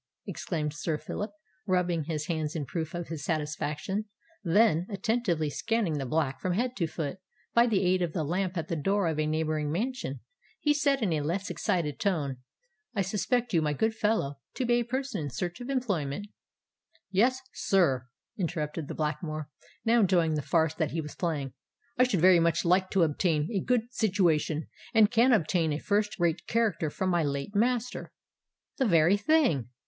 exclaimed Sir Phillip, rubbing his hands in proof of his satisfaction; then, attentively scanning the Black from head to foot, by the aid of the lamp at the door of a neighbouring mansion, he said in a less excited tone, "I suspect you, my good fellow, to be a person in search of employment——" "Yes—sir," interrupted the Blackamoor, now enjoying the farce that he was playing; "I should very much like to obtain a good situation, and can obtain a first rate character from my late master." "The very thing!"